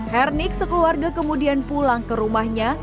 hernik sekeluarga kemudian pulang ke rumahnya